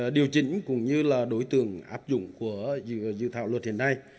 điều chỉnh cũng như là đối tượng áp dụng của dự thảo luật hiện nay